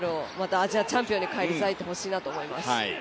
アジアチャンピオンに返り咲いてほしいなと思います。